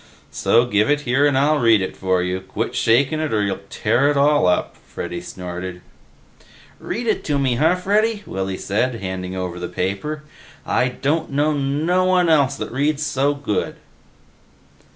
"So give it here and I'll read it for you. Quit shakin' it or you'll tear it all up," Freddy snorted. "Read it to me, huh, Freddy," Willy said, handing over the paper. "I don't know no one else that reads so good."